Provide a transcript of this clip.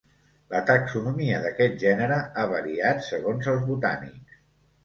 La taxonomia d'aquest gènere ha variat segons els botànics.